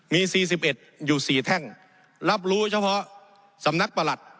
มี๔๑อยู่๔แท่งรับรู้เฉพาะสำนักประหลัด